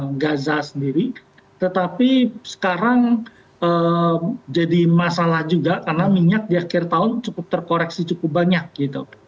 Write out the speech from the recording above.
mereka bahwa tahun lalu sempat fluktuasi pada slada perang gaza sendiri tetapi sekarang jadi masalah juga karena minyak di akhir tahun cukup terkoreksi cukup banyak gitu